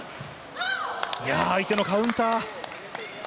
相手のカウンター。